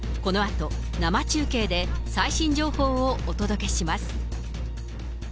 このあと、生中継で最新情報をお届けします。